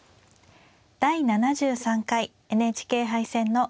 第７３回ＮＨＫ杯戦の開幕局です。